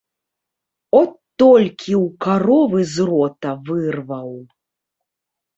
От толькі ў каровы з рота вырваў.